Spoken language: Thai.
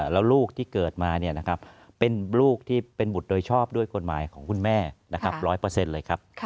แล้วลูกที่เกิดมาเป็นลูกที่เป็นบุตรโดยชอบด้วยกฎหมายของคุณแม่นะครับ๑๐๐เลยครับ